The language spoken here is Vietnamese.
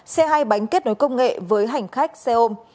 xe hai bánh kết nối công nghệ với hành khách xe ôm